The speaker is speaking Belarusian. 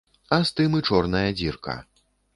А з тым і чорная дзірка.